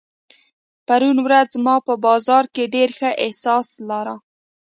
پرون ورځ ما په بازار کې ډېر ښه احساس لارۀ.